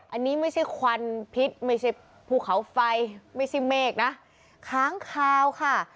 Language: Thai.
อันนี้ไม่ใช่ควันพิษไม่ใช่ภูเขาไฟไม่ใช่เมฆนะค้างคาวค่ะ